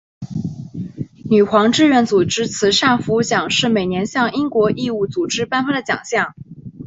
女皇志愿组织慈善服务奖是每年向英国义务组织颁发的奖项。